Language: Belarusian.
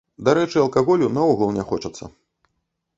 Дарэчы, алкаголю наогул не хочацца.